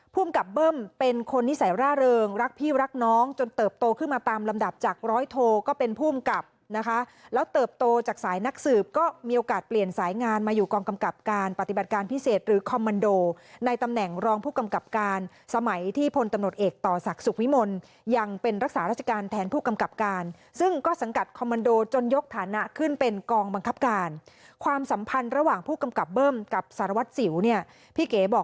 ผู้กับเบิ้มเป็นคนนิสัยร่าเริงรักพี่รักน้องจนเติบโตขึ้นมาตามลำดับจากร้อยโทก็เป็นผู้กับนะคะแล้วเติบโตจากสายนักสืบก็มีโอกาสเปลี่ยนสายงานมาอยู่กองกำกับการปฏิบัติการพิเศษหรือคอมมันโดในตำแหน่งรองผู้กำกับการสมัยที่พลตำรวจเอกต่อศักดิ์สุขวิมลยังเป็นรักษาราชการแทนผ